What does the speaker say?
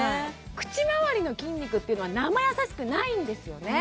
口まわりの筋肉っていうのはなまやさしくないんですよね